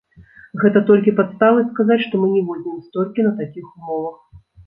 Гэта толькі падставы сказаць, што мы не возьмем столькі на такіх умовах.